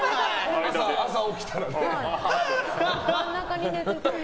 朝起きたらね。